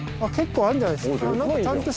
あっ結構あんじゃないですか。